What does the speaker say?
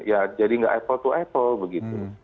ya jadi nggak apple to apple begitu